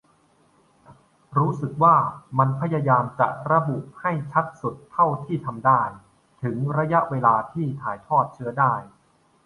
รู้สึกว่ามันพยายามจะระบุให้ชัดสุดเท่าที่ทำได้ ถึงระยะเวลาที่ถ่ายทอดเชื้อได้